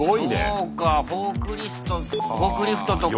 そうかフォークリフトとか。